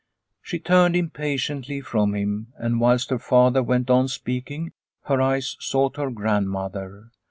She turned impatiently from him, and whilst her father went on speaking, her eyes sought her grandmother.